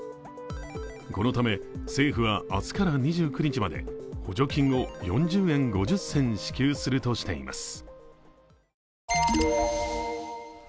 このため政府は明日から２９日まで補助金を４０円５０銭支給するとしています。